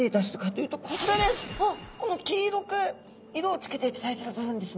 この黄色く色をつけていただいてる部分ですね。